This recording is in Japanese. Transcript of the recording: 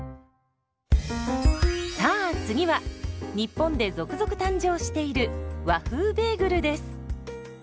さあ次は日本で続々誕生している「和風ベーグル」です。